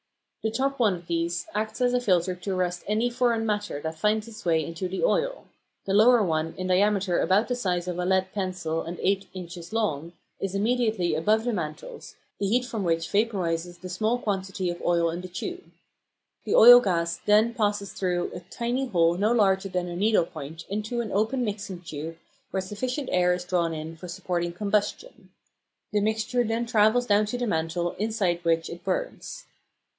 The top one of these acts as a filter to arrest any foreign matter that finds its way into the oil; the lower one, in diameter about the size of a lead pencil and eight inches long, is immediately above the mantles, the heat from which vaporises the small quantity of oil in the tube. The oil gas then passes through a tiny hole no larger than a needle point into an open mixing tube where sufficient air is drawn in for supporting combustion. The mixture then travels down to the mantle, inside which it burns.